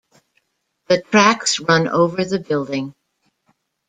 The tracks run over the building.